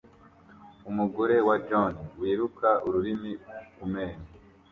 Umugore wa john wiruka ururimi kumenyo